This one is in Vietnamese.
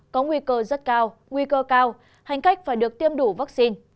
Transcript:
có nguy cơ rất cao nguy cơ cao hành khách phải được tiêm đủ vaccine